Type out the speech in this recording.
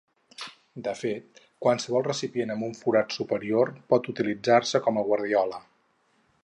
De fet, qualsevol recipient amb un forat superior pot utilitzar-se com a guardiola.